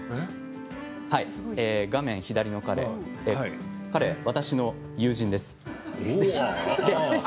画面左の彼、私の友人です。